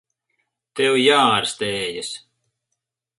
Tev jāārstējas.